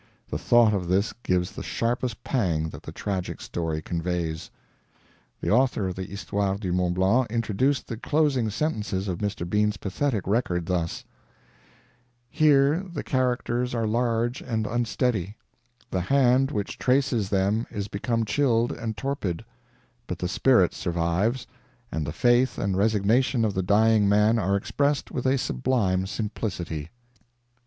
The thought of this gives the sharpest pang that the tragic story conveys. The author of the HISTOIRE DU MONT BLANC introduced the closing sentences of Mr. Bean's pathetic record thus: "Here the characters are large and unsteady; the hand which traces them is become chilled and torpid; but the spirit survives, and the faith and resignation of the dying man are expressed with a sublime simplicity."